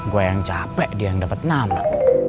gue yang capek dianggap nama